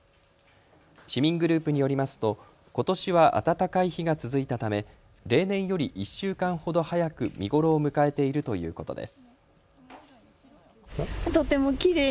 市民グループによりますとことしは暖かい日が続いたため例年より１週間ほど早く見頃を迎えているということです。